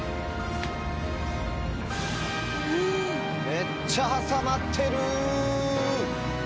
めっちゃ挟まってるー。